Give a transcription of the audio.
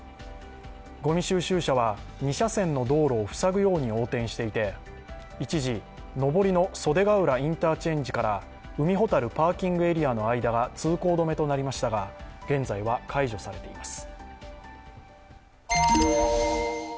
ごみ収集車は２車線の道路を塞ぐように横転していて一時、上りの袖ケ浦インターチェンジから海ほたるパーキングエリアの間が通行止めとなりましたが、現在は解除されています。